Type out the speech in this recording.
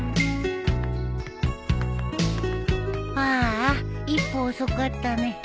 ああ一歩遅かったね。